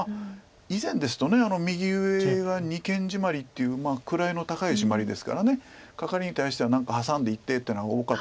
以前ですと右上が二間ジマリっていう位の高いシマリですからカカリに対しては何かハサんでいってというのが多かったんです。